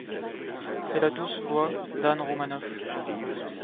c'est la douce voix d'Anne Roumanoff.